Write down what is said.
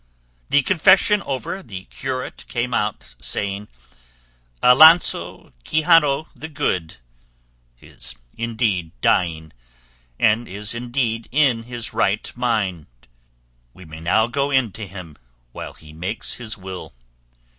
The confession over, the curate came out saying, "Alonso Quixano the Good is indeed dying, and is indeed in his right mind; we may now go in to him while he makes his will."